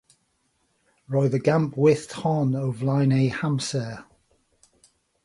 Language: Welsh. Roedd y gamp wyllt hon o flaen ei hamser.